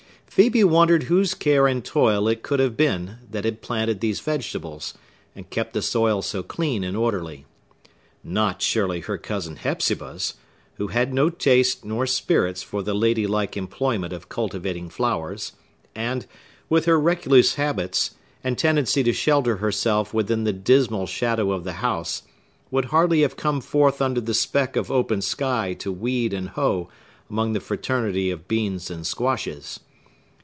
Phœbe wondered whose care and toil it could have been that had planted these vegetables, and kept the soil so clean and orderly. Not surely her cousin Hepzibah's, who had no taste nor spirits for the lady like employment of cultivating flowers, and—with her recluse habits, and tendency to shelter herself within the dismal shadow of the house—would hardly have come forth under the speck of open sky to weed and hoe among the fraternity of beans and squashes.